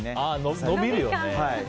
伸びるよね。